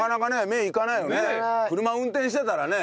車運転してたらね